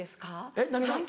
えっ何が？